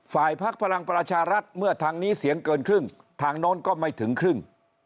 พักพลังประชารัฐเมื่อทางนี้เสียงเกินครึ่งทางโน้นก็ไม่ถึงครึ่ง